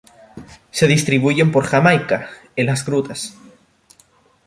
Se distribuyen por Jamaica, en las grutas.